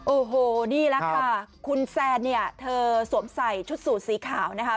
โอ้โหนี่แหละค่ะคุณแซนเนี่ยเธอสวมใส่ชุดสูตรสีขาวนะคะ